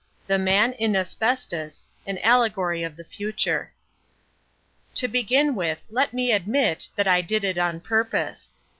The Man in Asbestos: An Allegory of the Future To begin with let me admit that I did it on purpose.